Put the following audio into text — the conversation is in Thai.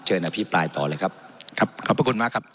อภิปรายต่อเลยครับครับขอบพระคุณมากครับ